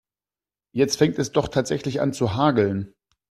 Jetzt fängt es doch tatsächlich an zu hageln.